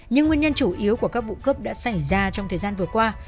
những nguyên nhân chủ yếu của các vụ cướp đã xảy ra trong thời gian vừa qua